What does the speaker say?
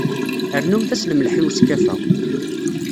Rnumt-as lemleḥ i weskaf-a.